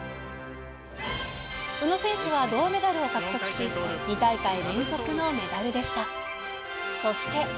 宇野選手は銅メダルを獲得し、２大会連続のメダルでした。